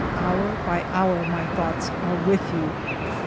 Hour by hour my thoughts are with you.